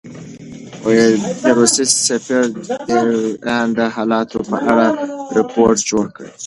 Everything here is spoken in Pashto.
د روسیې سفیر د ایران د حالاتو په اړه رپوټ جوړ کړ.